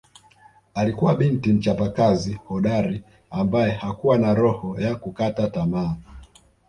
Alikuwa binti mchapakazi hodari ambae hakuwa na roho ya kukata tamaa